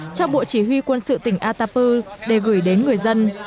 cho bộ chỉ huy quân sự tỉnh atapu để gửi đến người dân